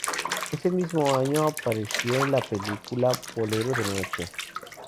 Ese mismo año apareció en la película "Bolero de noche".